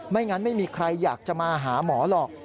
งั้นไม่มีใครอยากจะมาหาหมอหรอก